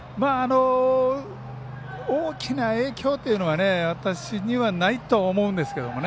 大きな影響というのはないと思うんですけれどもね。